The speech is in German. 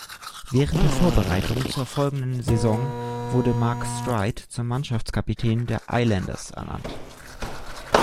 Während der Vorbereitung zur folgenden Saison wurde Mark Streit zum Mannschaftskapitän der Islanders ernannt.